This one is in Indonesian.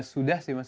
sudah sih mas